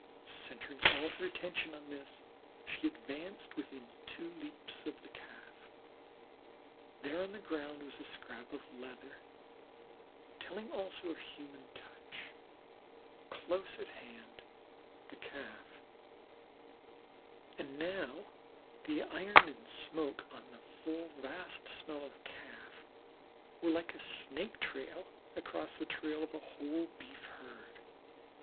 Centring all her attention on this, she advanced within two leaps of the Calf. There on the ground was a scrap of leather, telling also of a human touch, close at hand the Calf, and now the iron and smoke on the full vast smell of Calf were like a snake trail across the trail of a whole Beef herd.